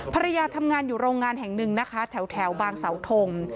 ภรรยาทำงานอยู่โรงงานแห่งหนึ่งนะคะแถวบางเสาทง